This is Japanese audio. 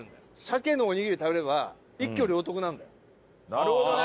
なるほどね。